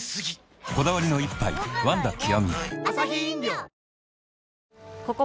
こだわりの一杯「ワンダ極」